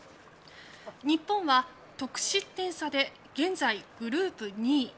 日本は得失点差で現在、グループ２位。